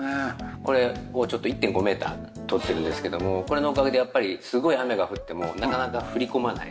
これをちょっと１．５メーターとってるんですけどもこれのおかげでやっぱりすごい雨が降ってもなかなか降り込まない。